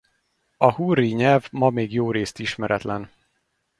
A hurri nyelv ma még jórészt ismeretlen.